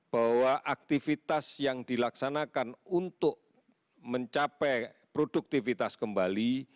bahwa aktivitas yang dilaksanakan untuk mencapai produktivitas kembali